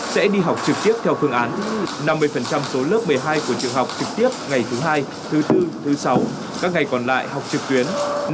sẽ đi học trực tiếp theo phương án năm mươi số lớp một mươi hai của trường học trực tiếp ngày thứ hai thứ bốn thứ sáu các ngày còn lại học trực tuyến